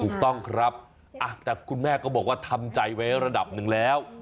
ถูกต้องครับแต่คุณแม่ก็บอกว่าทำใจไว้ระดับหนึ่งแล้ว